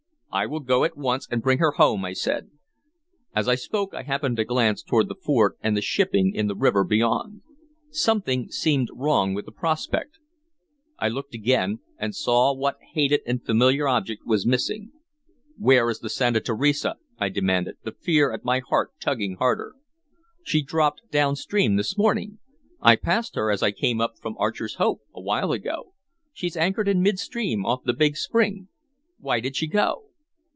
"I will go at once and bring her home," I said. As I spoke, I happened to glance toward the fort and the shipping in the river beyond. Something seemed wrong with the prospect. I looked again, and saw what hated and familiar object was missing. "Where is the Santa Teresa?" I demanded, the fear at my heart tugging harder. "She dropped downstream this morning. I passed her as I came up from Archer's Hope, awhile ago. She's anchored in midstream off the big spring. Why did she go?"